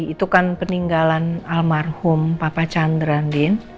itu kan peninggalan almarhum papa chandran din